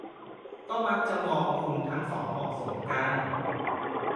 ก็มักจะมองว่าคุณทั้งสองเหมาะสมกัน